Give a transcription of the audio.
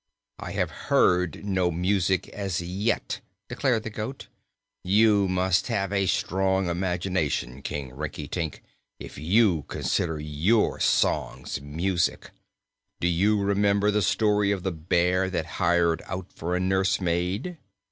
"I have heard no music, as yet," declared the goat. "You must have a strong imagination, King Rinkitink, if you consider your songs music. Do you remember the story of the bear that hired out for a nursemaid?"